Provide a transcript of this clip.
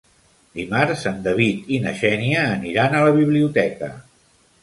Dimarts en David i na Xènia aniran a la biblioteca.